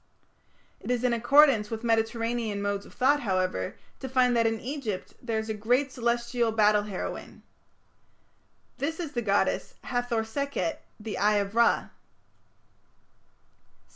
It is in accordance with Mediterranean modes of thought, however, to find that in Egypt there is a great celestial battle heroine. This is the goddess Hathor Sekhet, the "Eye of Ra".